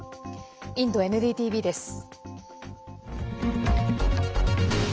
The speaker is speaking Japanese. インドＮＤＴＶです。